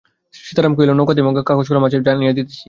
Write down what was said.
সীতারাম কহিল, নৌকাতেই কাগজ-কলম আছে, আনিয়া দিতেছি।